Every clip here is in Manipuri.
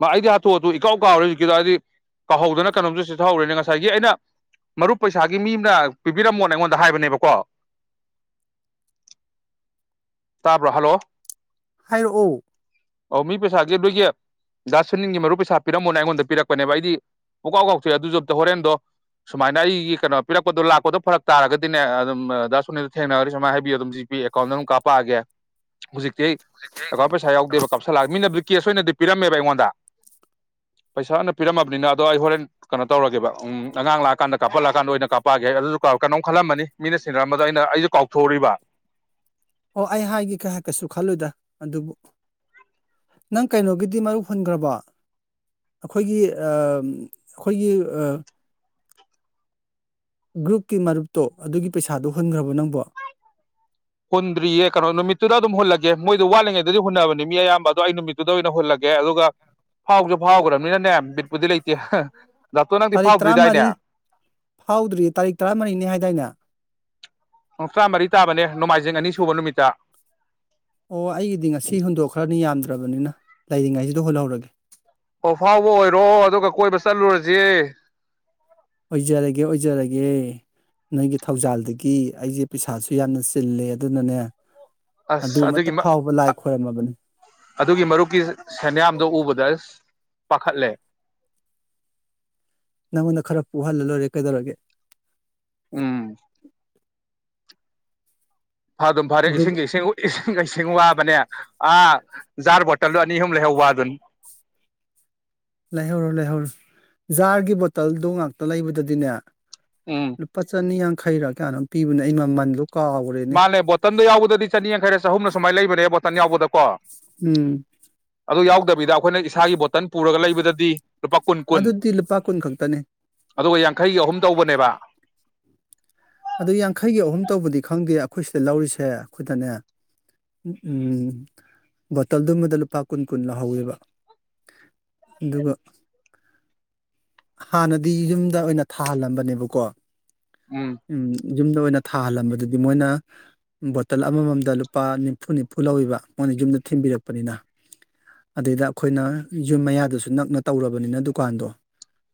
ꯃꯥ ꯑꯩꯗꯤ ꯍꯥꯊꯨ ꯍꯥꯇꯨ ꯏꯀꯥꯎ ꯀꯥꯎꯔꯦ ꯑꯖꯤꯀꯤꯗꯣ ꯍꯥꯏꯗꯤ ꯀꯥꯎꯍꯧꯗꯅ ꯀꯩꯅꯣꯝꯇ ꯆꯤꯊꯍꯧꯔꯦꯅꯦ ꯉꯁꯥꯏꯒꯤ ꯑꯩꯅ ꯃꯔꯨꯞ ꯄꯩꯁꯥꯒꯤ ꯃꯤ ꯑꯝꯅ ꯄꯤꯕꯤꯔꯝꯃꯣꯅ ꯑꯩꯉꯣꯟꯗ ꯍꯥꯏꯕꯅꯦꯕꯀꯣ ꯇꯥꯕ꯭ꯔꯣ ꯍꯜꯂꯣ ꯍꯥꯏꯔꯛꯑꯣ ꯂꯦ ꯂꯣꯏꯒꯤ ꯗꯥ ꯁꯨꯅꯤꯜꯒꯤ ꯃꯔꯨꯞ ꯄꯩꯁꯥ ꯄꯤꯔꯝꯃꯣꯅ ꯑꯩꯉꯣꯟꯗ ꯄꯤꯔꯛꯄꯅꯦꯕ ꯑꯩꯗꯤ ꯄꯨꯡꯀꯥꯎ ꯀꯥꯎꯊꯣꯛꯑꯦ ꯑꯗꯨꯖꯨ ꯑꯝꯇ ꯍꯣꯔꯦꯟꯗꯣ ꯁꯨꯃꯥꯏꯅ ꯑꯩꯒꯤ ꯀꯩꯅꯣ ꯄꯤꯔꯛꯄꯗꯣ ꯂꯥꯛꯄꯗꯣ ꯐꯔꯛ ꯇꯥꯔꯒꯗꯤꯅꯦ ꯑꯗꯨꯝ ꯗꯥ ꯁꯨꯅꯤꯜ ꯊꯦꯡꯅꯔꯗ ꯁꯨꯃꯥꯏ ꯍꯥꯏꯕꯤꯌꯨ ꯑꯗꯨꯝ ꯖꯤꯄꯦ ꯑꯦꯀꯥꯎꯟꯗ ꯑꯗꯨꯝ ꯀꯥꯞꯄꯛꯑꯒꯦ ꯍꯧꯖꯤꯛꯇꯤ ꯑꯩ ꯑꯦꯀꯥꯎꯟ ꯄꯩꯁꯥ ꯌꯥꯎꯗꯦꯕ ꯀꯥꯞꯁꯤꯜꯂꯛꯑꯒꯦ ꯃꯤꯅꯕꯨꯗꯤ ꯀꯦꯁ ꯑꯣꯏꯅꯗꯤ ꯄꯤꯔꯝꯃꯦꯕ ꯑꯩꯉꯣꯟꯗ ꯄꯩꯁꯥꯅ ꯄꯤꯔꯝꯃꯕꯅꯤꯅ ꯑꯗꯣ ꯑꯩ ꯍꯣꯔꯦꯟ ꯀꯩꯅꯣ ꯇꯧꯔꯒꯦꯕ ꯑꯉꯥꯡ ꯂꯥꯛꯑꯀꯥꯟꯗ ꯀꯥꯞꯄꯜꯂꯥꯛꯑꯀꯥꯟꯗ ꯑꯣꯏꯅ ꯀꯥꯞꯛꯑꯒꯦ ꯑꯗꯨꯁꯨ ꯀꯩꯅꯣꯝ ꯈꯜꯂꯝꯃꯅꯤ ꯃꯤꯅ ꯁꯤꯦꯟꯅꯔꯝꯕꯗ ꯑꯩꯅ ꯑꯩꯁꯨ ꯀꯥꯎꯊꯣꯛꯎꯔꯤꯕ ꯑꯣ ꯑꯩ ꯍꯥꯏꯒꯦ ꯀꯩ ꯍꯥꯏ ꯀꯩꯁꯨ ꯈꯜꯂꯨꯗ ꯑꯗꯨꯕꯨ ꯅꯪ ꯀꯩꯅꯣꯒꯤꯗꯤ ꯃꯔꯨ ꯍꯨꯟꯈ꯭ꯔꯕ ꯑꯩꯈꯣꯏꯒꯤ ꯑꯩꯈꯣꯏꯒꯤ ꯒ꯭ꯔꯨꯞꯀꯤ ꯃꯔꯨꯞꯇꯣ ꯑꯗꯨꯒꯤ ꯄꯩꯁꯥꯗꯨꯣ ꯍꯨꯟꯈ꯭ꯔꯕꯣ ꯅꯪꯕꯣ ꯍꯨꯟꯗ꯭ꯔꯤꯌꯦ ꯀꯩꯅꯣ ꯅꯨꯃꯤꯠꯇꯨꯗ ꯑꯗꯨꯝ ꯍꯨꯜꯂꯒꯦ ꯃꯣꯏꯗ ꯋꯥꯠꯂꯤꯉꯩꯗꯗꯤ ꯍꯨꯟꯅꯕꯅꯤ ꯃꯤ ꯑꯌꯥꯝꯕ ꯑꯗꯣ ꯑꯩ ꯅꯨꯃꯤꯠꯇꯨꯗ ꯑꯣꯏꯅ ꯍꯨꯜꯂꯒꯦ ꯑꯗꯨꯒ ꯐꯥꯎꯁꯨ ꯐꯥꯎꯈ꯭ꯔꯕꯅꯤꯅꯅꯦ ꯕꯤꯠꯄꯨꯗꯤ ꯂꯩꯇꯦ ꯗꯥꯇꯣ ꯅꯪꯗꯤ ꯇꯥꯔꯤꯛ ꯇꯔꯥꯃꯔꯤ ꯐꯥꯎꯗ꯭ꯔꯤꯗꯥꯏꯅꯦ ꯐꯥꯎꯗ꯭ꯔꯤꯌꯦ ꯇꯥꯔꯤꯛ ꯇꯔꯥꯃꯔꯤꯅꯤ ꯍꯥꯏꯗꯥꯏꯅ ꯇ꯭ꯔꯥ ꯃꯔꯤ ꯇꯥꯕꯅꯦ ꯅꯣꯡꯃꯥꯏꯖꯤꯡ ꯑꯅꯤ ꯁꯨꯕ ꯅꯨꯃꯤꯠꯇ ꯑꯣ ꯑꯩꯒꯤꯗꯤ ꯉꯁꯤ ꯍꯨꯟꯗꯣꯛꯈ꯭ꯔꯅꯤ ꯌꯥꯝꯗ꯭ꯔꯕꯅꯤꯅ ꯂꯩꯔꯤꯉꯩꯁꯤꯗ ꯍꯨꯟꯍꯧꯔꯒꯦ ꯑꯣ ꯐꯥꯎꯕ ꯑꯣꯏꯔꯣ ꯑꯗꯨꯒ ꯀꯣꯏꯕ ꯆꯠꯂꯨꯔꯁꯤ ꯑꯣꯏꯖꯔꯒꯦ ꯑꯣꯏꯖꯔꯒꯦ ꯅꯪꯒꯤ ꯊꯧꯖꯥꯜꯗꯒꯤ ꯑꯩꯁꯦ ꯄꯩꯁꯥꯁꯨ ꯌꯥꯝꯅ ꯆꯤꯜꯂꯦ ꯑꯗꯨꯅꯅꯦ ꯑꯁ ꯑꯗꯨꯃꯇ ꯑꯗꯨꯒꯤ ꯐꯥꯎꯕ ꯂꯥꯏ ꯈꯣꯏꯔꯝꯃꯕꯅꯤ ꯑꯗꯨꯒꯤ ꯃꯔꯨꯞꯀꯤ ꯁꯦꯟꯌꯥꯝꯗꯣ ꯎꯕꯗ ꯑꯁ ꯄꯥꯈꯠꯂꯦ ꯅꯪꯉꯣꯟꯗ ꯈꯔ ꯄꯨꯍꯜꯂ ꯂꯣꯏꯔꯦ ꯀꯩꯗꯧꯔꯒꯦ ꯎꯝ ꯐꯗꯨꯝ ꯐꯔꯦ ꯑꯗꯨ ꯏꯁꯤꯡꯁꯤ ꯏꯁꯤꯡꯖꯦ ꯏꯁꯤꯡꯋꯨꯠ ꯏꯁꯤꯡ ꯋꯥꯕꯅꯦ ꯑꯥ ꯖꯥꯔ ꯕꯣꯇꯜ ꯑꯅꯤꯍꯨꯝ ꯂꯩꯍꯧꯕ ꯑꯗꯨꯟ ꯂꯩꯍꯧꯔꯣ ꯂꯩꯍꯧꯔꯣ ꯖꯥꯔꯒꯤ ꯕꯣꯇꯜꯗꯩ ꯉꯥꯛꯇ ꯂꯩꯕꯗꯨꯗꯤꯅꯦ ꯎꯝ ꯂꯨꯄꯥ ꯆꯅꯤ ꯌꯥꯡ ꯈꯩꯔꯥ ꯀꯌꯥꯅꯣꯝ ꯄꯤꯕꯅ ꯑꯩ ꯃ ꯃꯟꯗꯨ ꯃꯥꯅꯦ ꯕꯣꯇꯟꯗꯣ ꯌꯥꯎꯗꯗꯤ ꯆꯅꯤ ꯌꯥꯡꯈꯩꯔ ꯆꯍꯨꯝꯅ ꯑꯧꯃꯥꯏꯅ ꯂꯩꯕꯅꯦ ꯕꯣꯇꯟ ꯌꯥꯎꯕꯗꯀꯣ ꯎꯝ ꯑꯗꯨ ꯌꯥꯎꯗꯕꯤꯗ ꯑꯩꯈꯣꯏꯅ ꯏꯁꯥꯒꯤ ꯕꯣꯇꯟ ꯄꯨꯔꯒ ꯂꯩꯕꯗꯗꯤ ꯂꯨꯄꯥ ꯀꯨꯟ ꯀꯨꯟ ꯑꯗꯨꯗꯤ ꯂꯨꯄꯥ ꯀꯨꯟ ꯈꯛꯇꯅꯦ ꯑꯗꯨꯒ ꯌꯥꯡꯈꯩꯒꯤ ꯑꯍꯨꯝ ꯇꯧꯕꯅꯦꯕ ꯑꯗꯨ ꯌꯥꯡꯈꯩꯒꯤ ꯑꯍꯨꯝ ꯇꯧꯕꯗꯤ ꯈꯪꯗꯦ ꯑꯩꯈꯣꯏ ꯁꯤꯗ ꯂꯧꯔꯤꯁꯦ ꯑꯈꯣꯏꯗꯅꯦ ꯎꯝ ꯕꯣꯇꯜꯗꯨꯃꯗ ꯂꯨꯄꯥ ꯀꯨꯟ ꯀꯨꯟ ꯂꯧꯍꯧꯋꯦꯕ ꯑꯗꯨꯒ ꯍꯥꯟꯅꯗꯤ ꯌꯨꯝꯗ ꯑꯣꯏꯅ ꯊꯥꯍꯜꯂꯝꯕꯅꯦꯕꯀꯣ ꯎꯝ ꯌꯨꯝꯗ ꯑꯣꯏꯅ ꯊꯥꯍꯜꯂꯝꯕꯗꯨꯗꯤ ꯃꯣꯏꯅ ꯕꯣꯇꯜ ꯑꯃꯃꯝꯗ ꯂꯨꯄꯥ ꯅꯤꯐꯨ ꯅꯤꯐꯨ ꯂꯧꯋꯕ ꯃꯣꯏꯅ ꯌꯨꯝꯗ ꯊꯤꯟꯕꯤꯔꯛꯄꯅꯤꯅ ꯑꯗꯨꯗꯩꯗ ꯑꯩꯈꯣꯏꯅ ꯌꯨꯝ ꯃꯌꯥꯗꯁꯨ ꯅꯛꯅ ꯇꯧꯔꯕꯅꯤꯅ ꯗꯨꯀꯥꯟꯗꯣ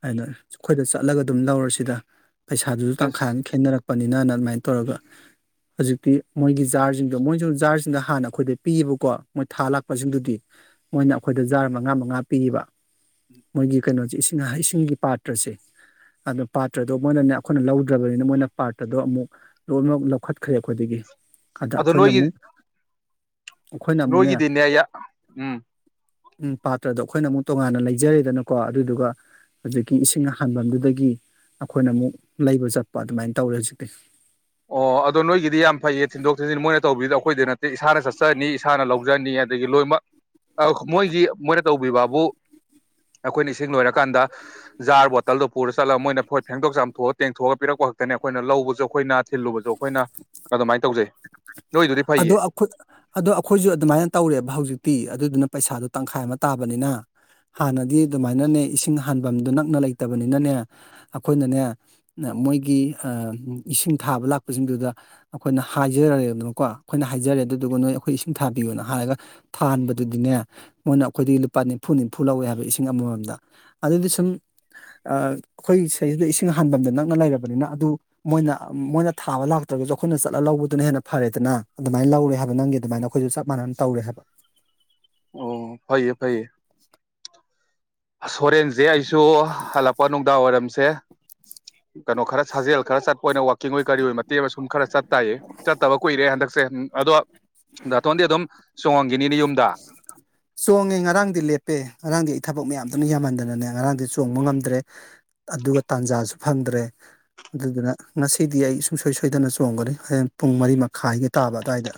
ꯍꯥꯏꯅ ꯑꯩꯈꯣꯏꯗ ꯆꯠꯂꯒ ꯑꯗꯨꯝ ꯂꯧꯔꯁꯤꯗ ꯄꯩꯁꯥꯗꯨꯁꯨ ꯇꯪꯈꯥꯏ ꯑꯦꯁ ꯑꯃ ꯈꯦꯠꯅꯔꯛꯄ ꯂꯄꯅꯤꯅꯅ ꯑꯗꯨꯃꯥꯏꯅ ꯇꯧꯔꯒ ꯍꯧꯖꯤꯛꯇꯤ ꯃꯣꯏꯒꯤ ꯖꯥꯔꯁꯤꯡꯗꯣ ꯃꯣꯏꯁꯨ ꯖꯥꯔꯁꯤꯡꯗ ꯍꯥꯟꯅ ꯑꯩꯈꯣꯏꯗ ꯄꯤꯌꯦꯕꯀꯣ ꯃꯣꯏ ꯊꯥ ꯂꯥꯛꯄꯁꯤꯡꯗꯨꯗꯤ ꯃꯣꯏꯅ ꯑꯩꯈꯣꯏꯗ ꯖꯥꯔ ꯃꯉꯥ ꯃꯉꯥ ꯄꯤꯕ ꯃꯣꯏꯒꯤ ꯀꯩꯅꯣꯁꯦ ꯏꯁꯤꯡ ꯏꯁꯤꯡꯒꯤ ꯄꯥꯇ꯭ꯔꯁꯦ ꯑꯗꯨ ꯄꯥꯇ꯭ꯔꯗꯣ ꯃꯣꯏꯅꯅꯦ ꯑꯩꯈꯣꯏꯅ ꯂꯧꯗ꯭ꯔꯕꯅꯤꯅ ꯃꯣꯏꯅ ꯄꯥꯇ꯭ꯔꯗꯣ ꯑꯃꯨꯛ ꯂꯣꯏꯅꯃꯛ ꯂꯧꯈꯠꯈ꯭ꯔꯦ ꯑꯩꯈꯣꯏꯗꯒꯤ ꯑꯗ ꯑꯗꯣ ꯑꯩꯈꯣꯏꯅ ꯅꯣꯏꯒꯤ ꯑꯃꯨꯛ ꯑꯩꯈꯣꯏꯅ ꯅꯣꯏꯒꯤꯗꯤꯅꯦ ꯌꯥ ꯎꯝ ꯎꯝ ꯄꯥꯇ꯭ꯔꯗꯣ ꯑꯩꯈꯣꯏꯅ ꯑꯃꯨꯛ ꯇꯣꯉꯥꯟꯅ ꯂꯩꯖꯔꯦꯗꯅꯀꯣ ꯑꯗꯨꯗꯨꯒ ꯍꯨꯖꯤꯛꯀꯤ ꯏꯁꯤꯡ ꯍꯟꯕꯝꯗꯨꯗꯒꯤ ꯑꯩꯈꯣꯏꯅ ꯑꯃꯨꯛ ꯂꯩꯕ ꯆꯠꯄ ꯑꯗꯨꯃꯥꯏꯅ ꯇꯧꯔꯦ ꯍꯨꯖꯤꯛꯇꯤ ꯑꯣ ꯑꯗꯣ ꯅꯣꯏꯒꯤꯗꯤ ꯌꯥꯝ ꯐꯩꯌꯦ ꯊꯤꯟꯗꯣꯛ ꯊꯤꯟꯖꯤꯟ ꯃꯣꯏꯅ ꯇꯧꯕꯤꯗꯣ ꯑꯩꯈꯣꯏꯗꯤ ꯅꯠꯇꯦ ꯏꯁꯥꯅ ꯆꯠꯆꯔꯅꯤ ꯏꯁꯥꯅ ꯂꯧꯖꯅꯤꯌꯦ ꯊꯤꯜꯂꯨꯕꯁꯨ ꯑꯩꯈꯣꯏꯅ ꯑꯗꯨꯃꯥꯏ ꯇꯧꯖꯩ ꯅꯣꯏꯗꯨꯗꯤ ꯑꯗꯣ ꯐꯩꯌꯦ ꯑꯩꯈꯣꯏ ꯑꯗꯣ ꯑꯩꯈꯣꯏꯁꯨ ꯑꯗꯨꯃꯥꯏꯅ ꯇꯧꯔꯦꯕ ꯍꯧꯖꯤꯛ ꯇꯤ ꯑꯗꯨꯗꯨꯅ ꯄꯩꯁꯥꯗꯣ ꯇꯪꯈꯥꯏ ꯑꯃ ꯇꯥꯕꯅꯤꯅ ꯍꯥꯟꯅꯗꯤ ꯑꯗꯨꯃꯥꯏꯅꯅꯦ ꯏꯁꯤꯡ ꯍꯟꯕꯝꯗꯣ ꯅꯛꯅ ꯂꯩꯇꯕꯅꯤꯅꯅꯦ ꯑꯩꯈꯣꯏꯅꯅꯦ ꯑꯥ ꯃꯣꯏꯒꯤ ꯑꯥ ꯏꯁꯤꯡ ꯊꯥꯕ ꯂꯥꯛꯄꯖꯤꯡꯗꯨꯗ ꯑꯩꯈꯣꯏꯅ ꯍꯥꯏ ꯖꯔꯦꯗꯅꯀꯣ ꯑꯩꯈꯣꯏꯅ ꯍꯥꯏꯖꯔꯦ ꯑꯗꯨꯗꯨꯒ ꯅꯣꯏ ꯑꯩꯈꯣꯏ ꯏꯁꯤꯡ ꯊꯥꯕꯤꯌꯣꯅ ꯍꯥꯏꯔ ꯊꯥꯍꯟꯕꯗꯨꯗꯤꯅꯦ ꯃꯣꯏꯅ ꯑꯩꯈꯣꯏꯗꯒꯤ ꯂꯨꯄꯥ ꯅꯤꯝꯐꯨ ꯅꯤꯝꯐꯨ ꯂꯧꯋꯦ ꯍꯥꯏꯕ ꯏꯁꯤꯡ ꯑꯃꯃꯝꯗ ꯑꯗꯨꯗꯤ ꯁꯨꯝ ꯑꯥ ꯑꯩꯈꯣꯏꯒꯤ ꯁꯤꯗꯩꯗ ꯏꯁꯤꯡ ꯍꯥꯟꯕꯝꯗꯣ ꯅꯛꯅ ꯂꯩꯔꯕꯅꯤꯅ ꯑꯗꯨ ꯃꯣꯏꯅ ꯑꯥ ꯃꯣꯏꯅ ꯊꯥꯕ ꯂꯥꯛꯇ꯭ꯔꯒꯁꯨ ꯑꯩꯈꯣꯏꯅ ꯆꯠꯂ ꯂꯧꯕ ꯑꯗꯨꯅ ꯍꯦꯟꯅ ꯐꯔꯦꯗꯅ ꯑꯗꯨꯃꯥꯏꯅ ꯂꯧꯔꯦ ꯍꯥꯏꯕ ꯅꯪꯒꯤ ꯑꯗꯨꯃꯥꯏꯅ ꯑꯩꯈꯣꯏꯁꯨ ꯆꯞ ꯃꯥꯟꯅꯅ ꯇꯧꯔꯦ ꯍꯥꯏꯕ ꯑꯣꯋꯣ ꯐꯩꯌꯦ ꯐꯩꯌꯦ ꯑꯁ ꯍꯣꯔꯦꯟꯖꯦ ꯑꯩꯁꯨ ꯍꯜꯂꯛꯄ ꯅꯨꯡꯗꯥꯡ ꯋꯥꯏꯔꯝꯁꯦ ꯀꯥꯅꯣ ꯈꯔ ꯁꯥꯖꯦꯜ ꯈꯔ ꯆꯠꯄ ꯑꯣꯏꯅ ꯋꯥꯛꯀꯤꯡ ꯑꯣꯏ ꯀꯔꯤ ꯑꯣꯏ ꯃꯇꯦꯛ ꯑꯃ ꯁꯨꯝ ꯈꯔ ꯆꯠ ꯇꯥꯏꯌꯦ ꯆꯠꯇꯕ ꯀꯨꯏꯔꯦ ꯍꯟꯗꯛꯁꯦ ꯎꯝ ꯑꯗꯣ ꯅꯠꯇꯣꯟꯗꯤ ꯑꯗꯨꯝ ꯁꯣꯑꯣꯟ ꯆꯣꯡꯉꯦ ꯉꯔꯥꯡꯗꯤ ꯂꯦꯞꯄꯦ ꯉꯔꯥꯡꯗꯤ ꯑꯩ ꯊꯕꯛ ꯃꯌꯥꯝ ꯑꯗꯨꯅ ꯌꯥꯝꯃꯟꯗꯅꯅꯦ ꯉꯔꯥꯡꯗꯤ ꯆꯣꯡꯕ ꯉꯝꯗ꯭ꯔꯦ ꯑꯗꯨꯒ ꯇꯥꯟꯖꯥꯁꯨ ꯐꯪꯗ꯭ꯔꯦ ꯑꯗꯨꯗꯨꯅ ꯉꯁꯤꯗꯤ ꯑꯩ ꯁꯨꯡꯁꯣꯏ ꯁꯣꯏꯗꯅ ꯆꯣꯡꯒꯅꯤ ꯍꯌꯦꯟ ꯄꯨꯡ ꯃꯔꯤ ꯃꯈꯥꯏꯒꯤ ꯇꯥꯕ ꯑꯗꯨꯋꯥꯏꯗ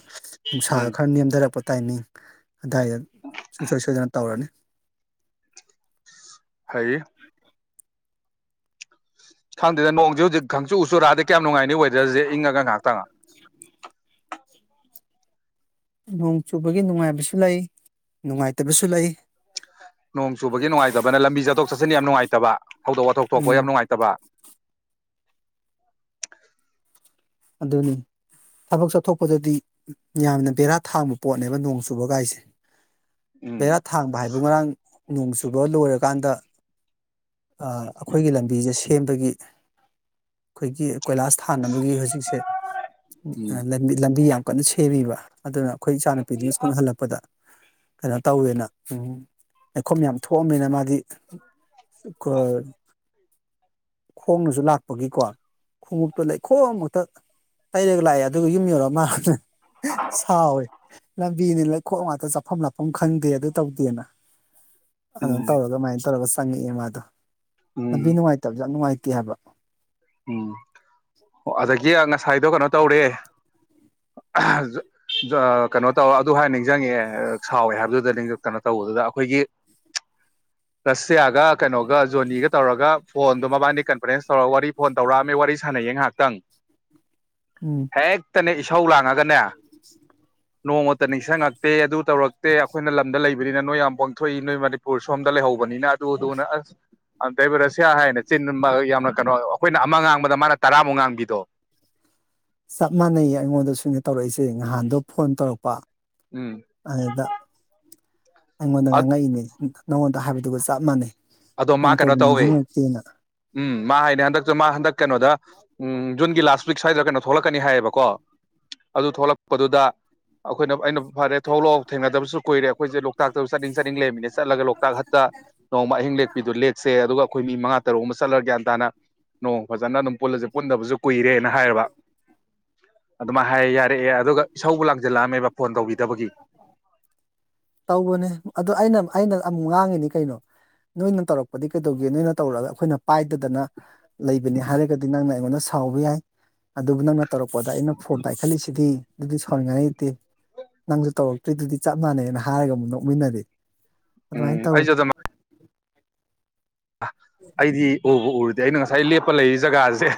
ꯅꯨꯡꯁꯥ ꯎꯝ ꯈꯔ ꯅꯦꯝꯗꯔꯛꯄ ꯇꯥꯏꯃꯤꯡ ꯑꯗꯥꯏꯗ ꯁꯨꯡꯁꯣꯏ ꯁꯣꯏꯗꯅ ꯇꯧꯔꯅꯤ ꯀꯔꯤ ꯈꯪꯗꯦꯗ ꯅꯣꯡꯁꯦ ꯍꯧꯖꯤꯛ ꯈꯪꯆꯨ ꯆꯨꯔꯛ ꯑꯗꯤ ꯀꯌꯥꯝ ꯅꯨꯡꯉꯥꯏꯅꯤ ꯋꯦꯗꯔꯁꯦ ꯏꯪꯉꯒ ꯉꯥꯏꯍꯥꯛꯇꯪ ꯅꯣꯡ ꯆꯨꯕꯒꯤ ꯅꯨꯡꯉꯥꯏꯕꯁꯨ ꯂꯩ ꯅꯨꯡꯉꯥꯏꯇꯕꯁꯨ ꯂꯩ ꯅꯣꯡ ꯆꯨꯕꯒꯤ ꯅꯨꯡꯉꯥꯏꯇꯕꯅ ꯂꯝꯕꯤ ꯆꯠꯊꯣꯛ ꯆꯠꯁꯤꯟ ꯌꯥꯝ ꯅꯨꯡꯉꯥꯏꯇꯕ ꯊꯧꯗꯣꯛ ꯋꯥꯊꯣꯛ ꯊꯣꯛꯄ ꯎꯝ ꯌꯥꯝ ꯅꯨꯡꯉꯥꯏꯇꯕ [inaudible] ꯑꯗꯨꯅꯤ ꯊꯕꯛ ꯆꯠꯊꯣꯛꯄꯗꯗꯤ ꯌꯥꯝꯅ ꯕꯦꯔꯥ ꯊꯥꯡꯕ ꯄꯣꯠꯅꯦꯕ ꯅꯣꯡ ꯆꯨꯕꯒꯥꯏꯁꯦ ꯕꯦꯔꯥ ꯎꯝ ꯊꯥꯡꯕ ꯍꯥꯏꯕꯨ ꯉꯔꯥꯡ ꯅꯣꯡ ꯆꯨꯕ ꯂꯣꯏꯔꯀꯥꯟꯗ ꯑꯥ ꯑꯩꯈꯣꯏꯒꯤ ꯂꯝꯕꯤꯁꯦ ꯁꯦꯝꯕꯒꯤ ꯑꯩꯈꯣꯏꯒꯤ ꯀꯣꯏꯂꯥꯁ ꯊꯥꯅꯕꯒꯤ ꯍꯧꯖꯤꯛꯁꯦ ꯎꯝ ꯂꯝꯕꯤ ꯂꯝꯕꯤ ꯌꯥꯝ ꯀꯟꯅ ꯁꯦꯝꯃꯤꯕ ꯑꯗꯨꯅ ꯑꯩꯈꯣꯏ ꯏꯆꯥꯅꯨꯄꯤꯗꯨ ꯁ꯭ꯀꯨꯜ ꯍꯜꯂꯛꯄꯗ ꯀꯩꯅꯣ ꯇꯧꯋꯦꯅ ꯎꯝ ꯂꯩꯈꯣꯝ ꯌꯥꯝ ꯊꯣꯛꯑꯝꯃꯦꯅ ꯃꯥꯗꯤ ꯑꯥ ꯈꯣꯡꯅꯁꯨ ꯂꯥꯛꯄꯒꯤꯀꯣ ꯈꯣꯡꯎꯞꯇꯨ ꯂꯩꯈꯣꯝ ꯉꯛꯇ ꯇꯩꯔꯒ ꯂꯥꯏꯑꯦ ꯑꯗꯨꯒ ꯌꯨꯝ ꯌꯧꯔ ꯃꯅꯦ ꯁꯥꯎꯋꯦ ꯂꯝꯕꯤꯅꯦ ꯂꯩꯈꯣꯝ ꯉꯥꯛꯇ ꯆꯠꯐꯝ ꯂꯥꯛꯐꯝ ꯈꯪꯗꯦ ꯑꯗꯨ ꯇꯧꯗꯦꯅ ꯑꯗꯨꯃꯥꯏ ꯎꯝ ꯇꯧꯔꯒ ꯑꯃꯥꯏꯅ ꯇꯧꯔꯒ ꯆꯪꯉꯛꯑꯦ ꯃꯥꯗꯣ ꯂꯝꯕꯤ ꯎꯝ ꯅꯨꯡꯉꯥꯏꯇꯕꯁꯨ ꯌꯥꯝ ꯅꯨꯡꯉꯥꯏꯇ ꯇꯦ ꯍꯥꯏꯕ ꯎꯝ ꯑꯣ ꯑꯗꯒꯤ ꯉꯁꯥꯏꯗꯣ ꯀꯩꯅꯣ ꯇꯧꯔꯦ ꯑꯥꯍꯥ [inaudible] ꯖꯣ ꯖꯣ ꯀꯩꯅꯣ ꯇꯧꯔꯥ ꯑꯗꯨ ꯍꯥꯏꯅ ꯅꯤꯖꯪꯉꯛꯑꯦ ꯑꯥ ꯁꯥꯎꯋꯦ ꯍꯥꯏꯕꯗꯨꯗ ꯅꯤꯡꯖꯡ ꯀꯩꯅꯣ ꯇꯧꯕꯗꯨꯗ ꯑꯩꯈꯣꯏꯒꯤ ꯔꯁꯤꯌꯥꯒ ꯀꯩꯅꯣꯒ ꯖꯣꯅꯤꯒ ꯇꯧꯔꯒ ꯐꯣꯟꯗꯣ ꯃꯕꯥꯏꯅꯤ ꯀꯟꯐ꯭ꯔꯦꯟꯁ ꯇꯧꯔꯒ ꯋꯥꯔꯤ ꯐꯣꯟ ꯇꯧꯔꯛꯑꯝꯃꯦ ꯋꯥꯔꯤ ꯁꯥꯟꯅꯩꯌꯦ ꯉꯥꯏꯍꯥꯛꯇꯪ ꯎꯝ ꯍꯦ ꯇꯅꯦ ꯏꯁꯥꯎ ꯂꯥꯡꯉꯒꯅꯦ ꯅꯣꯡꯃꯇ ꯅꯤꯡꯁꯤꯡꯉꯛꯇꯦ ꯑꯗꯨ ꯇꯧꯔꯛ ꯇꯦ ꯑꯩꯈꯣꯏꯅ ꯂꯝꯗ ꯂꯩꯕ ꯗꯦꯜꯍꯤꯗ ꯅꯣꯏ ꯌꯥꯝ ꯄꯣꯡꯊꯣꯛꯏ ꯅꯣꯏ ꯃꯅꯤꯄꯨꯔ ꯁꯣꯝꯗ ꯂꯩꯍꯧꯕꯅꯤꯅ ꯑꯗꯨ ꯑꯗꯨꯅ ꯑꯁ ꯑꯩ ꯔꯁꯤꯌꯥ ꯍꯥꯏꯅ ꯆꯤꯟ ꯌꯥꯝꯅ ꯀꯩꯅꯣ ꯑꯩꯈꯣꯏꯅ ꯑꯃ ꯉꯥꯡꯕꯗ ꯃꯥꯅ ꯇꯔꯥꯃꯨꯛ ꯉꯥꯡꯕꯤꯗꯣ ꯑ ꯉꯍꯥꯟꯗꯣ ꯐꯣꯟ ꯇꯧꯔꯛꯄ ꯎꯝ ꯑꯗꯗ ꯑꯩꯉꯣꯟꯗ ꯉꯥꯡꯉꯛꯏꯅꯦ ꯅꯉꯣꯟꯗ ꯍꯥꯏꯕꯗꯨꯒ ꯆꯞ ꯃꯥꯟꯅꯩ ꯑꯗꯣ ꯃꯥ ꯅꯣꯡꯇꯥꯕꯨ ꯀꯩꯅꯣ ꯇꯧꯋꯦ ꯅꯤꯡꯁꯤꯡꯉꯛꯇꯦꯅ ꯎꯝ ꯃꯥ ꯍꯥꯏꯅꯤ ꯍꯟꯗꯛꯇꯁꯨ ꯃꯥ ꯍꯟꯗꯛ ꯀꯩꯅꯣꯗ ꯎꯝ ꯖꯨꯟꯒꯤ ꯂꯥꯁ ꯋꯤꯛ ꯁ꯭ꯋꯥꯏꯗ꯭ꯔ ꯀꯩꯅꯣ ꯊꯣꯛꯂꯛꯀꯅꯤ ꯍꯥꯏꯌꯦꯕꯀꯣ ꯑꯗꯨ ꯊꯣꯛꯂꯛꯄꯗꯨꯗ ꯑꯩꯈꯣꯏꯅ ꯑꯩꯅ ꯐꯔꯦ ꯊꯣꯛꯂꯛꯑꯣ ꯊꯦꯡꯅꯗꯕꯁꯨ ꯀꯨꯏꯔꯦ ꯑꯩꯈꯣꯏꯁꯦ ꯂꯣꯛꯇꯥꯛꯇ ꯆꯠꯅꯤꯡ ꯆꯠꯅꯤꯡ ꯂꯩꯃꯤꯅ ꯆꯠꯂꯒ ꯂꯣꯛꯇꯥꯛ ꯍꯠꯇ ꯅꯣꯡꯃ ꯑꯍꯤꯡ ꯂꯩ ꯑꯗꯨ ꯂꯦꯛꯁꯦ ꯑꯗꯨꯒ ꯑꯩꯈꯣꯏ ꯃꯤ ꯃꯉꯥ ꯇꯔꯨꯛ ꯑꯃ ꯆꯠꯂ ꯒ꯭ꯌꯥꯟ ꯇꯥꯅ ꯅꯣꯡ ꯐꯖꯅ ꯑꯗꯨꯝ ꯄꯨꯜꯂꯁ ꯄꯨꯟꯗꯕꯁꯨ ꯀꯨꯏꯔꯦꯅ ꯍꯥꯏꯔꯕ ꯑꯗꯨꯃꯥꯏꯅ ꯍꯥꯏ ꯌꯥꯔꯛꯑꯦ ꯑꯗꯨꯒ ꯏꯁꯧꯕ ꯂꯥꯡꯁꯤꯜꯂꯛꯑꯝꯃꯦꯕ ꯇꯧꯕꯅꯦ ꯑꯗꯨ ꯑꯩꯅ ꯑꯩꯅ ꯑꯃꯨꯛ ꯉꯥꯡꯉꯤ ꯀꯩꯅꯣ ꯅꯣꯏꯅ ꯇꯧꯔꯛꯄꯗꯤ ꯀꯩꯗꯧꯒꯦ ꯅꯣꯏꯅ ꯇꯧꯔꯛꯑꯒ ꯑꯩꯈꯣꯏꯅ ꯄꯥꯏꯗꯗꯅ ꯂꯩꯕꯅꯤ ꯍꯥꯏꯔꯒꯗꯤ ꯅꯪꯅ ꯑꯩꯉꯣꯟꯗ ꯁꯥꯎꯕ ꯌꯥꯏ ꯑꯗꯨꯕꯨ ꯅꯪꯅ ꯇꯧꯔꯛꯄꯗ ꯑꯩꯅ ꯐꯣꯟꯝꯗ ꯄꯥꯏꯈꯠꯂꯤꯁꯤꯗꯤ ꯑꯗꯨꯗꯤ ꯁꯥꯎꯅꯤꯡꯉꯥꯏ ꯂꯩꯇꯦ ꯅꯪꯁꯨ ꯇꯧꯔꯛꯇ꯭ꯔꯤꯗꯨꯗꯤ ꯆꯞ ꯃꯥꯟꯅꯅ ꯍꯥꯏꯔꯒ ꯑꯃꯨꯛ ꯅꯣꯛꯃꯤꯟꯅꯔꯤ ꯑꯗꯨꯃꯥꯏꯅ ꯎꯝ ꯇꯧꯋꯤ ꯑꯩꯁꯨ ꯑꯗꯨꯝ ꯑꯩꯗꯤ ꯎ ꯎꯔꯗꯤ ꯑꯩꯅ ꯉꯁꯥꯏ ꯂꯦꯞꯄ ꯂꯩꯔꯤ ꯖꯒꯥ ꯥꯖꯁꯦ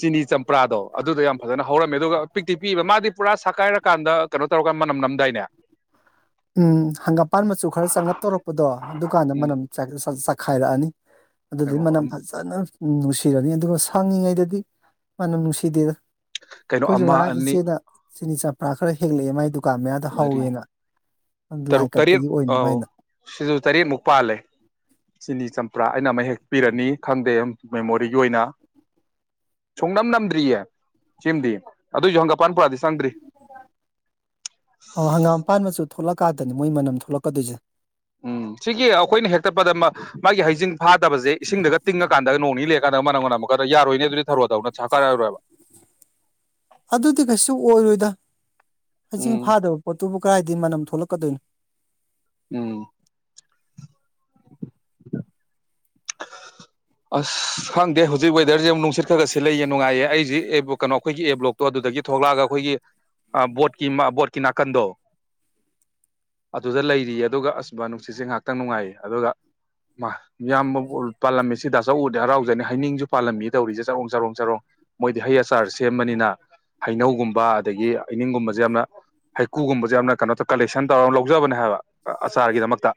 ꯆꯤꯅꯤ ꯆꯝꯄ꯭ꯔꯥꯗꯣ ꯑꯗꯨꯗꯣ ꯌꯥꯝ ꯐꯖꯅ ꯍꯧꯔꯝꯃꯦ ꯑꯗꯨꯒ ꯄꯤꯛꯇꯤ ꯄꯤꯕ ꯃꯥꯗꯤ ꯄꯨꯔꯥ ꯁꯛꯀꯥꯏꯔꯀꯥꯟꯗ ꯀꯩꯅꯣ ꯇꯧꯔꯒꯥꯟ ꯃꯅꯝ ꯅꯝꯗꯥꯏꯅꯦ ꯎꯝ ꯍꯪꯒꯥꯝꯄꯥꯟ ꯃꯆꯨ ꯈꯔ ꯆꯪꯂꯞ ꯇꯧꯔꯛꯄꯗꯣ ꯑꯗꯨꯀꯥꯟꯗ ꯎꯝ ꯃꯅꯝ ꯆꯥꯏ ꯈꯥꯏꯂꯛꯑꯅꯤ ꯑꯗꯨꯗꯤ ꯀꯩꯅꯣ ꯃꯅꯝ ꯐꯖꯅ ꯎꯝ ꯅꯨꯡꯁꯤꯔꯅꯤ ꯑꯗꯨꯒ ꯁꯥꯡꯉꯤꯉꯩꯗꯗꯤ ꯃꯥꯅ ꯅꯨꯡꯁꯤꯗꯦꯗ ꯀꯩꯅꯣ ꯑꯩꯈꯣꯏꯁꯨ ꯑꯃ ꯉꯔꯥꯡ ꯑꯅꯤ ꯏꯆꯦꯅ ꯆꯤꯅꯤ ꯆꯝ ꯑꯥ ꯈꯔ ꯍꯦꯜꯂꯛꯑꯦ ꯃꯗꯣ ꯗꯨꯀꯥꯟ ꯃꯌꯥꯗ ꯃꯔꯤ ꯍꯧꯋꯦꯅ ꯂꯥꯏ ꯇꯔꯨꯛ ꯇꯔꯦꯠ ꯀꯠꯄꯒꯤ ꯑꯣꯏꯅꯕ ꯑꯥꯎ ꯍꯥꯏꯅ ꯁꯤꯁꯨ ꯇꯔꯦꯠꯃꯨꯛ ꯄꯥꯜꯂꯦ ꯆꯤꯅꯤ ꯆꯝ ꯄꯔꯥ ꯑꯩꯅ ꯑꯃ ꯍꯦꯛ ꯄꯤꯔꯅꯤ ꯈꯪꯗꯦ ꯃꯦꯃꯣꯔꯤꯒꯤ ꯑꯣꯏꯅ ꯁꯨꯡꯅꯝ ꯅꯝꯗ꯭ꯔꯤꯌꯦ ꯁꯤꯃꯗꯤ ꯑꯗꯨꯏꯁꯨ ꯍꯪꯒꯥꯄꯥꯟ ꯄꯨꯔꯥꯗꯤ ꯆꯪꯗ꯭ꯔꯤ ꯑꯣ ꯍꯪꯒꯥꯝ ꯄꯥꯟ ꯃꯆꯨ ꯊꯣꯛꯂꯛꯀꯥꯟꯗꯅꯤ ꯃꯣꯏ ꯃꯅꯝ ꯊꯣꯛꯂꯛꯀꯗꯣꯏꯁꯦ ꯎꯝ ꯁꯤꯒꯤ ꯑꯩꯈꯣꯏꯅ ꯍꯦꯛꯇꯠꯄꯗ ꯃꯥꯒꯤ ꯍꯩꯖꯤꯡ ꯐꯥꯗꯕꯁꯦ ꯏꯁꯤꯡꯗꯒ ꯇꯤꯡꯉꯀꯥꯟꯗꯒ ꯅꯣꯡ ꯅꯤ ꯂꯩꯔꯀꯥꯟꯗ ꯃꯅꯝ ꯃ ꯅꯝ ꯑꯃꯨꯀꯛꯇꯗ ꯌꯥꯔꯣꯏꯅꯦ ꯑꯗꯨꯗꯤ ꯊꯧꯔꯣꯗꯧꯅ ꯁꯀꯥꯏꯔꯔꯣꯏꯕ ꯑꯗꯨꯗꯤ ꯀꯩꯁꯨ ꯑꯣꯏꯔꯣꯏꯗ ꯍꯩꯖꯤꯡ ꯎꯝ ꯐꯥꯗꯕ ꯄꯣꯠꯇꯨꯕꯨ ꯀꯗꯥꯏꯗꯒꯤ ꯃꯅꯝ ꯊꯣꯛꯂꯛꯀꯗꯣꯏꯅꯣ ꯎꯝ ꯑꯁ ꯈꯪꯗꯦ ꯍꯧꯖꯤꯛ ꯋꯦꯗꯔꯁꯦ ꯑꯃꯨꯛ ꯅꯨꯡꯁꯤꯠ ꯈꯔ ꯈꯔꯁꯦ ꯁꯤꯠꯂꯛꯏꯌꯦ ꯅꯨꯡꯉꯥꯏꯌꯦ ꯑꯩꯁꯤ ꯀꯩꯅꯣ ꯑꯩꯈꯣꯏꯒꯤ ꯑꯦꯕ꯭ꯂꯣꯛꯇꯣ ꯑꯗꯨꯗꯒꯤ ꯊꯣꯛꯂꯛꯑꯒ ꯑꯩꯈꯣꯏꯒꯤ ꯕꯣꯠꯀꯤ ꯕꯣꯠꯀꯤ ꯅꯥꯀꯟꯗꯣ ꯑꯗꯨꯗ ꯂꯩꯔꯤꯌꯦ ꯑꯗꯨꯒ ꯑꯁ ꯅꯨꯡꯁꯤꯠꯁꯦ ꯉꯥꯏꯍꯥꯛꯇꯪ ꯅꯨꯡꯉꯥꯏꯌꯦ ꯑꯗꯨꯒ ꯌꯥꯝ ꯄꯥꯜꯂꯝꯃꯤꯁꯤ ꯆꯧ ꯎꯗꯤ ꯍꯔꯥꯎꯖꯅꯤ ꯍꯩꯅꯤꯡꯁꯨ ꯄꯥꯜꯂꯝꯃꯤ ꯇꯧꯔꯤꯁꯦ ꯆꯔꯣꯡ ꯆꯔꯣꯡ ꯆꯔꯣꯡ ꯃꯣꯏꯗꯤ ꯍꯩ ꯑꯆꯥꯔ ꯁꯦꯝꯕꯅꯤꯅ ꯍꯩꯅꯧꯒꯨꯝꯕ ꯑꯗꯒꯤ ꯍꯩꯅꯤꯡꯒꯨꯝꯕꯁꯦ ꯌꯥꯝꯅ ꯍꯩꯀꯨꯒꯨꯝꯕꯁꯦ ꯌꯥꯝꯅ ꯀꯩꯅꯣ ꯇ ꯀꯂꯦꯛꯁꯟ ꯇꯧꯔꯒ ꯂꯧꯖꯕꯅꯦ ꯍꯥꯏꯕ ꯑꯆꯥꯔꯒꯤꯗꯃꯛꯇ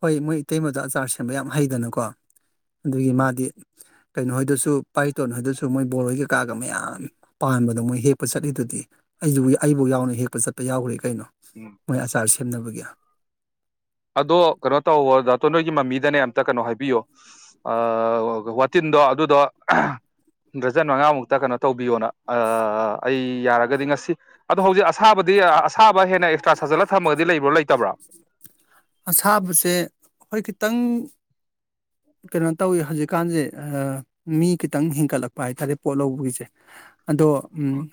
ꯍꯣꯏ ꯃꯣꯏ ꯏꯇꯩꯃꯗꯣ ꯑꯆꯥꯔ ꯁꯦꯝꯕ ꯌꯥꯝ ꯍꯩꯗꯅꯀꯣ ꯑꯗꯨꯒꯤ ꯃꯥꯗꯤ ꯀꯩꯅꯣ ꯍꯥꯏꯣꯏꯗꯁꯨ ꯄꯥꯏꯔꯤꯇꯣꯟ ꯍꯥꯏꯣꯏꯗꯁꯨ ꯃꯣꯏ ꯕꯣꯔꯣꯏ ꯀꯩꯀꯥꯒ ꯃꯌꯥꯝ ꯄꯥꯟꯕꯗꯣ ꯃꯣꯏ ꯍꯦꯛꯄ ꯆꯠꯂꯤꯗꯨꯗꯤ ꯑꯩꯕꯨ ꯑꯩꯕꯨ ꯌꯥꯎꯅ ꯍꯦꯛꯄ ꯆꯠꯄ ꯌꯥꯎꯈ꯭ꯔꯦ ꯀꯩꯅꯣ ꯎꯝ ꯃꯣꯏ ꯑꯆꯥꯔꯁꯦ ꯁꯦꯝꯅꯕꯒꯤ ꯑꯗꯣ ꯀꯩꯅꯣ ꯇꯧꯕ ꯗꯥꯇꯣꯟ ꯅꯣꯏꯒꯤ ꯃꯃꯤꯗꯅꯦ ꯑꯝꯇ ꯀꯩꯅꯣ ꯍꯥꯏꯕꯤꯌꯣ ꯋꯥꯇꯤꯟꯗꯣ ꯑꯗꯨꯗꯣ ꯗ꯭ꯔꯖꯟ ꯃꯉꯥꯃꯨꯛꯇ ꯀꯩꯅꯣ ꯇꯧꯕꯤꯌꯣꯅ ꯑ ꯑꯩ ꯌꯥꯔꯒꯗꯤ ꯉꯁꯤ ꯑꯗꯣ ꯍꯧꯖꯤꯛ ꯑꯁꯥꯕꯗꯤ ꯑꯁꯥꯕ ꯍꯦꯟꯅ ꯑꯦꯛꯁꯇ꯭ꯔꯥ ꯁꯥꯖꯜꯂ ꯊꯝꯃꯒꯗꯤ ꯂꯩꯕ꯭ꯔꯣ ꯂꯩꯇꯕ꯭ꯔꯥ ꯑꯁꯥꯕꯁꯦ ꯍꯣꯏ ꯈꯤꯇꯪ ꯀꯩꯅꯣ ꯇꯧꯋꯤ ꯍꯧꯖꯤꯛꯀꯥꯟꯁꯦ ꯃꯤ ꯈꯤꯇꯪ ꯍꯦꯟꯀꯠꯂꯛꯄ ꯍꯥꯏꯇꯥꯔꯦ ꯄꯣꯠ ꯂꯧꯕꯒꯤꯁꯦ ꯑꯗꯣ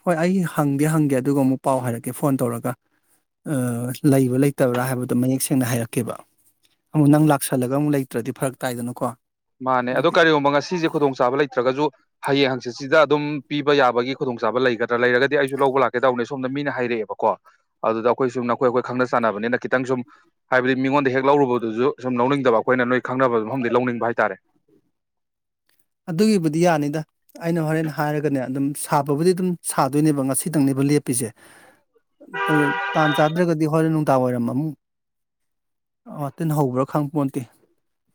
ꯍꯣꯏ ꯑꯩ ꯍꯪꯗꯤ ꯍꯪꯒꯦ ꯑꯗꯨꯒ ꯑꯃꯨꯛ ꯄꯥꯎ ꯍꯥꯏꯔꯛꯀꯦ ꯐꯣꯟ ꯇꯧꯔꯒ ꯂꯩꯕ꯭ꯔꯥ ꯂꯩꯇꯕ꯭ꯔꯥ ꯍꯥꯏꯕꯗꯣ ꯃꯌꯦꯛ ꯊꯦꯡꯅ ꯍꯥꯏꯔꯛꯀꯦꯕ ꯑꯃꯨꯛ ꯅꯪ ꯂꯥꯛꯁꯜꯂꯒ ꯑꯃꯨꯛ ꯂꯩꯇ꯭ꯔꯗꯤ ꯐꯔꯛ ꯇꯥꯏꯗꯅꯀꯣ ꯃꯥꯅꯦ ꯑꯗꯨꯒꯤ ꯑꯗꯣ ꯀꯔꯤꯒꯨꯝꯕ ꯉꯁꯤꯁꯦ ꯈꯨꯗꯣꯡꯆꯥꯕ ꯂꯩꯇ꯭ꯔꯒꯁꯨ ꯍꯌꯦꯡ ꯍꯪ ꯁꯤ ꯁꯤꯗ ꯑꯗꯨꯝ ꯄꯤꯕ ꯌꯥꯕꯒꯤ ꯈꯨꯗꯣꯡꯆꯥꯕ ꯂꯩꯒꯗ꯭ꯔꯥ ꯂꯩꯔꯒꯗꯤ ꯑꯩꯁꯨ ꯂꯧꯕ ꯂꯥꯛꯀꯦ ꯇꯧꯕꯅꯤ ꯁꯣꯝꯗ ꯃꯤꯅ ꯍꯩꯔꯛꯑꯦꯕꯀꯣ ꯑꯗꯨꯗ ꯑꯩꯈꯣꯏ ꯁꯨꯝ ꯅꯈꯣꯏ ꯑꯩꯈꯣꯏ ꯈꯪꯅ ꯆꯥꯟꯅꯕꯅꯤꯅ ꯈꯤꯇꯪ ꯁꯨꯝ ꯍꯥꯏꯕꯗꯤ ꯃꯤꯉꯣꯟꯗ ꯍꯦꯛ ꯂꯧꯔꯨꯕꯗꯨꯁꯨ ꯁꯨꯝ ꯂꯧꯅꯤꯡꯗꯕ ꯑꯩꯈꯣꯏꯅ ꯅꯣꯏ ꯈꯪꯅꯕ ꯃꯐꯝꯗꯤ ꯂꯧꯅꯤꯡꯕ ꯍꯥꯏ ꯇꯥꯔꯦ ꯑꯗꯨꯒꯤꯕꯨꯗꯤ ꯌꯥꯅꯤꯗ ꯑꯩꯅ ꯍꯣꯔꯦꯟ ꯍꯥꯏꯔꯒꯅꯦ ꯑꯗꯨꯝ ꯁꯥꯕꯕꯨꯗꯤ ꯑꯗꯨꯝ ꯁꯥꯗꯣꯏꯅꯦꯕ ꯉꯁꯤꯗꯪꯅꯦꯕ ꯂꯦꯞꯄꯤꯁꯦ ꯑꯗꯨ ꯇꯥꯟ ꯆꯥꯗ꯭ꯔꯒꯗꯤ ꯍꯣꯔꯦꯟ ꯅꯨꯡꯗꯥꯡ ꯋꯥꯏꯔꯝ ꯑꯃꯨꯛ ꯋꯇꯤꯟ ꯍꯧꯕ꯭ꯔꯥ ꯈꯪꯄꯣꯠꯇꯦ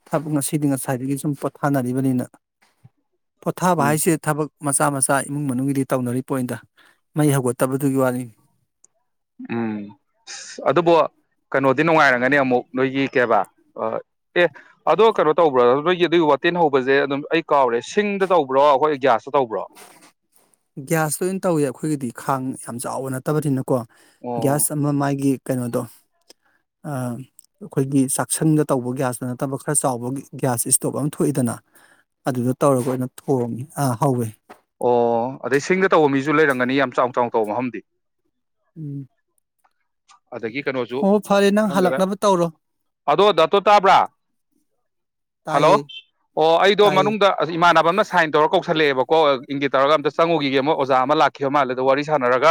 ꯊꯕꯛ ꯉꯁꯤꯗꯤ ꯉꯁꯥꯏꯗꯒꯤ ꯁꯨꯝ ꯄꯣꯊꯥꯅꯔꯤꯕꯅꯤꯅ ꯄꯣꯊꯥꯕ ꯎꯝ ꯍꯥꯏꯁꯤ ꯊꯕꯛ ꯃꯆꯥ ꯃꯆꯥ ꯏꯃꯨꯡ ꯃꯅꯨꯡꯒꯤꯗꯤ ꯇꯧꯅꯔꯤ ꯄꯣꯟꯗ ꯃꯩ ꯍꯧꯒꯠꯇꯕꯗꯨꯒꯤ ꯋꯥꯅꯤꯅꯤ ꯎꯝ ꯑꯁ ꯑꯗꯨꯕꯨ ꯀꯩꯅꯣꯗꯤ ꯅꯨꯡꯉꯥꯏꯔꯝꯒꯅꯤ ꯑꯃꯨꯛ ꯅꯣꯏꯒꯤ ꯀꯦꯕꯥ ꯑꯦ ꯑꯗꯣ ꯀꯩꯅꯣ ꯇꯧꯕ꯭ꯔꯣ ꯅꯣꯏꯒꯤ ꯑꯗꯨꯒꯤ ꯋꯥꯇꯤꯟ ꯍꯧꯕꯁꯦ ꯑꯗꯨꯝ ꯑꯩ ꯀꯥꯎꯔꯦ ꯁꯤꯡꯗ ꯇꯧꯕ ꯭ꯔꯣ ꯑꯩꯈꯣꯏ ꯒ꯭ꯌꯥꯁ ꯇꯧꯕ꯭ꯔꯣ ꯒ꯭ꯌꯥꯁꯇ ꯑꯣꯏꯅ ꯇꯧꯋꯦ ꯑꯩꯈꯣꯏꯒꯤꯗꯤ ꯈꯥꯡ ꯌꯥꯝ ꯆꯥꯎꯕ ꯅꯠꯇꯕꯅꯤꯅ ꯀꯣ ꯑꯣ ꯒ꯭ꯌꯥꯁ ꯑꯃ ꯃꯥꯒꯤ ꯀꯩꯅꯣꯗꯣ ꯑꯩꯈꯣꯏꯒꯤ ꯆꯥꯛꯁꯪꯗ ꯇꯧꯕ ꯒ꯭ꯌꯥꯁꯇ ꯅꯠꯇꯕ ꯈꯔ ꯆꯥꯎꯕ ꯒ꯭ꯌꯥꯁ ꯏꯁꯇꯣꯞ ꯑꯃ ꯊꯣꯛꯏꯗꯅ ꯑꯗꯨꯗꯣ ꯇꯧꯔꯒ ꯑꯣꯏꯅ ꯊꯣꯡꯉꯦ ꯑ ꯍꯧꯋꯦ ꯑꯣ ꯑꯗꯩ ꯁꯤꯡꯗ ꯇꯧꯕ ꯃꯤꯁ ꯖꯨ ꯂꯩꯔꯝꯒꯅꯤ ꯌꯥꯝ ꯆꯥꯎ ꯆꯥꯎꯅ ꯇꯧꯕ ꯃꯐꯝꯗꯤ ꯎꯝ ꯑꯗꯒꯤ ꯀꯅꯣꯁꯨ ꯑꯣ ꯐꯔꯦ ꯅꯪ ꯈꯪꯗꯦꯗ ꯍꯜꯂꯛꯅꯕ ꯇꯧꯔꯣ ꯑꯗꯣ ꯗꯥꯇꯣ ꯇꯥꯕ꯭ꯔꯥ ꯇꯥꯏꯌꯦ ꯍꯜꯂꯣ ꯑꯣ ꯑꯩꯗꯣ ꯇꯥꯏꯌꯦ ꯃꯅꯨꯡꯗ ꯏꯃꯥꯟꯅꯕ ꯑꯃꯅ ꯁꯥꯏꯟ ꯇꯧꯔ ꯀꯧꯁꯜꯂꯛꯑꯦꯕ ꯀꯣ ꯏꯪꯒꯤꯠ ꯇꯧꯔꯒ ꯑꯝꯇ ꯆꯪꯉꯨꯒꯤꯒꯦ ꯃꯣꯏ ꯑꯣꯖꯥ ꯑꯃ ꯂꯥꯛꯈꯤꯕ ꯃꯥꯜꯂꯦ ꯑꯗꯣ ꯋꯥꯔꯤ ꯁꯥꯟꯅꯔꯒ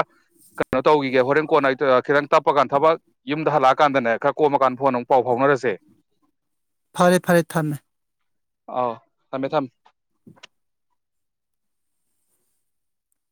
ꯀꯩꯅꯣ ꯇꯧꯒꯤꯒꯦ ꯍꯣꯔꯦꯟ ꯀꯣꯟꯅ [unintelligible] ꯈꯤꯇꯪ ꯇꯞꯄꯀꯥꯟ ꯊꯕꯛ ꯌꯨꯝꯗ ꯍꯜꯂꯛꯑꯀꯥꯟꯗꯅꯦ ꯈꯔ ꯀꯣꯝꯃꯀꯥꯟ ꯐꯣꯟ ꯑꯃꯨꯛ ꯄꯥꯎ ꯐꯥꯎꯅꯔꯁꯦ ꯐꯔꯦ ꯐꯔꯦ ꯊꯝꯃꯦ ꯑꯥꯎ ꯊꯝꯃꯦ ꯊꯝ